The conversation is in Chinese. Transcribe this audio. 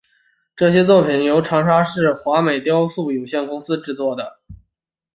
这些作品是由长沙市华美雕塑有限公司制作的。